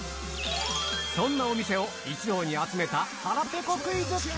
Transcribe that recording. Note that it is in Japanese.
そんなお店を一堂に集めた腹ぺこクイズ。